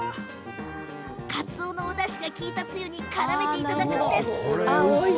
かつおのおだしが利いたつゆにからめていただくんです。